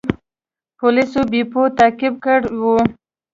پولیسو بیپو تعقیب کړی و.